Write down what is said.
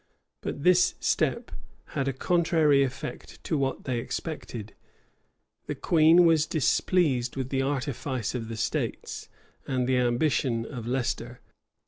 But this step had a contrary effect to what they expected. The queen was displeased with the artifice of the states, and the ambition of Leicester.